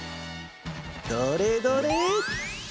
どれどれ？